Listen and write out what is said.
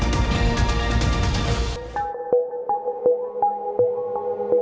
แก้วตาดวงใจแก้วตาดวงใจ